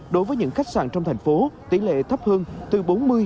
đối với những khách sạn trong thành phố tỷ lệ thấp hơn từ bốn mươi năm mươi